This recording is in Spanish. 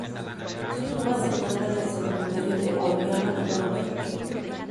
Su tumba se encuentra en el Cementerio de Aoyama en Tokio.